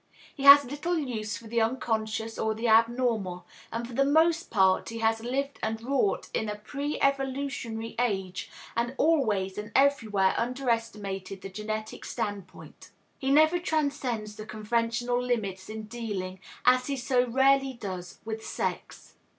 He has little use for the unconscious or the abnormal, and for the most part he has lived and wrought in a preevolutionary age and always and everywhere underestimated the genetic standpoint. He never transcends the conventional limits in dealing, as he so rarely does, with sex.